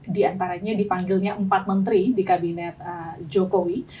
diantaranya dipanggilnya empat menteri di kabinet jokowi